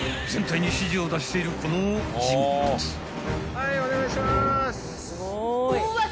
・はいお願いします。